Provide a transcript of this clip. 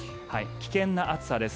危険な暑さです。